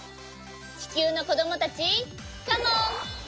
ちきゅうのこどもたちカモン！